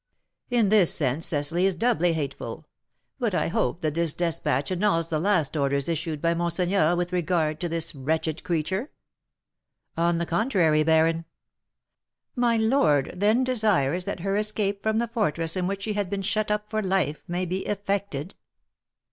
"In this sense Cecily is doubly hateful. But I hope that this despatch annuls the last orders issued by monseigneur with regard to this wretched creature." "On the contrary, baron." "My lord, then, desires that her escape from the fortress in which she had been shut up for life may be effected?"